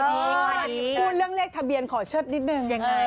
เออพูดเรื่องเลขทะเบียนขอเชิดนิดนึง